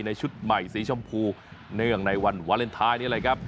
ชุดใหม่สีชมพูเนื่องในวันวาเลนไทยนี่แหละครับ